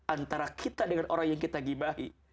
antara kita dengan orang yang kita gibahi